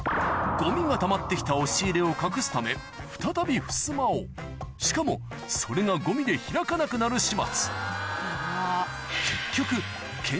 ゴミがたまってきた押し入れを隠すため再びふすまをしかもそれがゴミで開かなくなる始末